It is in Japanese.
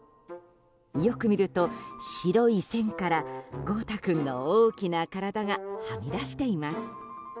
よく見ると白い線から豪太君の大きな体がはみ出しています。